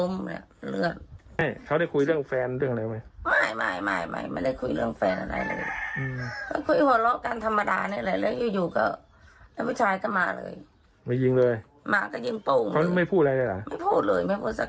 ไม่พูดเลยไม่พูดสักคำเลย